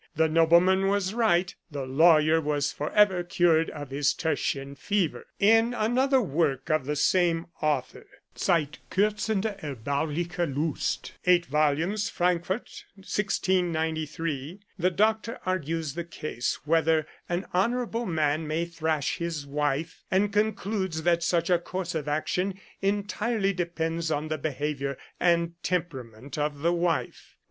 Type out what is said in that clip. The nobleman was right, the lawyer was forever cured of his tertian fever. In another work of the same author {Zeit kUrsende, erbauliche Lust, 8vo, Frankfort, 1693) the doctor argues the case, whether an honourable man may thrash his wife ; and concludes that such a course of action entirely depends on the behaviour and temperament of the wife.